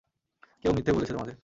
কেউ মিথ্যে বলেছে তোমাদের।